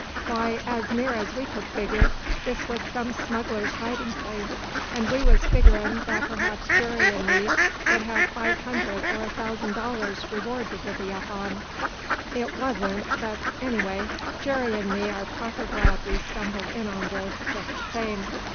"Why, as near as we could figger, this was some smuggler's hidin' place, and we was figgerin' that perhaps Jerry and me would have five 'hundred or a thousand dollars' reward to divvy up on. It wa'n't but, anyway, Jerry an' me are proper glad we stumbled in on this, just the same.